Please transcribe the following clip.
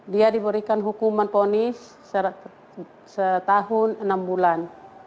dia diberikan hukuman ponis setahun enam bulan